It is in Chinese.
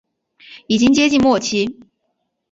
已经接近末期